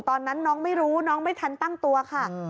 ตอนนั้นน้องไม่รู้น้องไม่ทันตั้งตัวค่ะ